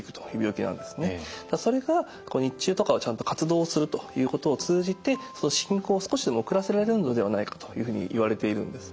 それが日中とかをちゃんと活動するということを通じてその進行を少しでも遅らせられるのではないかというふうに言われているんです。